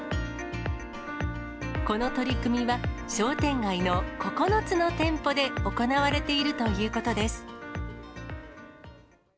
この取り組みは、商店街の９つの店舗で行われているということです。